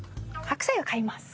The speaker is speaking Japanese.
白菜は買います。